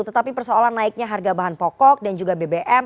tetapi persoalan naiknya harga bahan pokok dan juga bbm